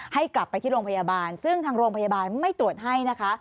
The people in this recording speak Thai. ให้กลับไปที่โรงพยาบาลซึ่งทางโรงพยาบาลไม่ตรวจให้นะคะ